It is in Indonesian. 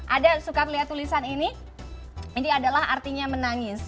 ada suka lihat tulisan ini ini adalah artinya menangis